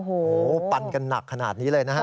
โอ้โหปันกันหนักขนาดนี้เลยนะฮะ